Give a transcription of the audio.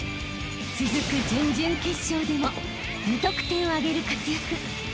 ［続く準々決勝でも２得点を挙げる活躍］